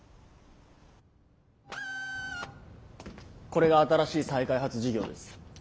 これが新しい再開発事業です。